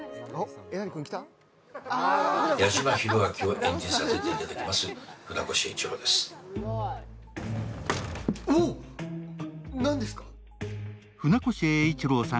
矢島宏明を演じさせていただきます、船越英一郎です。